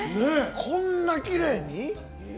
こんなきれいに？